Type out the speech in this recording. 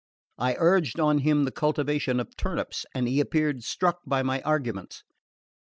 I urged on him the cultivation of turnips and he appeared struck by my arguments.